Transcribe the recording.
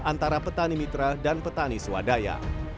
antara petani mitra dan petani swadaya